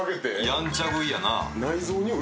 やんちゃ食いやなあ。